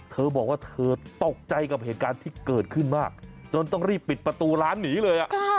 เธอบอกว่าเธอตกใจกับเหตุการณ์ที่เกิดขึ้นมากจนต้องรีบปิดประตูร้านหนีเลย